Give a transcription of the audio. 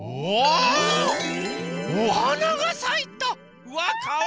おはながさいた！